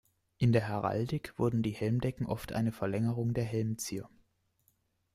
In der Heraldik wurden die Helmdecken oft eine Verlängerung der Helmzier.